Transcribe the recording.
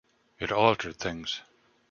It altered things.